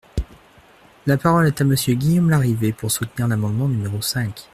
La parole est à Monsieur Guillaume Larrivé, pour soutenir l’amendement numéro cinq.